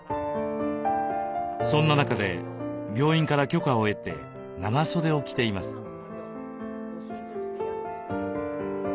そんな中で病院から許可を得て長袖を着ています。